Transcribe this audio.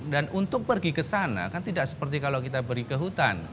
dan untuk pergi ke sana kan tidak seperti kalau kita pergi ke hutan